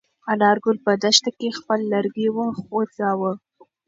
انارګل په دښته کې خپل لرګی وخوځاوه.